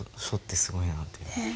書ってすごいなって。